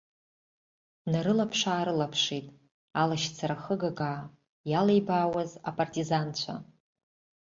Днарылаԥш-арылаԥшит алашьцара хыгагаа иалибаауаз апартизанцәа.